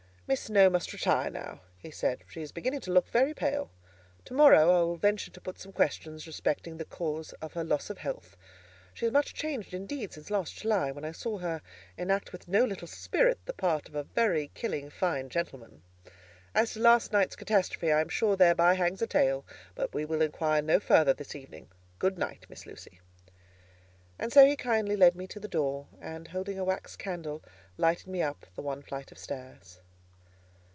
"Miss Snowe must retire now," he said; "she is beginning to look very pale. To morrow I will venture to put some questions respecting the cause of her loss of health. She is much changed, indeed, since last July, when I saw her enact with no little spirit the part of a very killing fine gentleman. As to last night's catastrophe, I am sure thereby hangs a tale, but we will inquire no further this evening. Good night, Miss Lucy." And so he kindly led me to the door, and holding a wax candle, lighted me up the one flight of stairs.